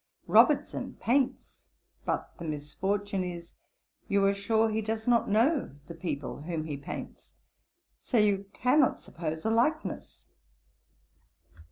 Robertson paints; but the misfortune is, you are sure he does not know the people whom he paints; so you cannot suppose a likeness.